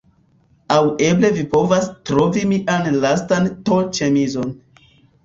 Aŭ eble vi povas trovi mian lastan t-ĉemizon.